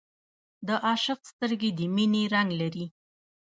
د عاشق سترګې د مینې رنګ لري